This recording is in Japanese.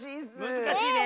むずかしいね。